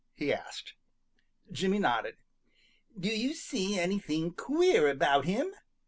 he asked. Jimmy nodded. "Do you see anything queer about him?"